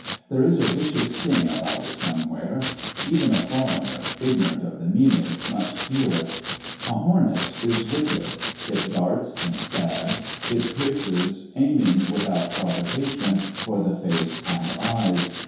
There is a vicious sting about it somewhere even a foreigner, ignorant of the meaning, must feel it. A hornet is wicked; it darts and stabs; it pierces, aiming without provocation for the face and eyes.